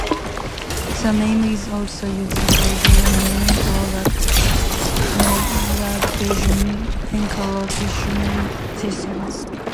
The name is also used for their main products, the Nagravision encryption systems.